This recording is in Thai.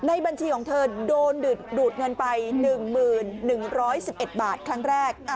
บัญชีของเธอโดนดูดเงินไป๑๑๑๑บาทครั้งแรก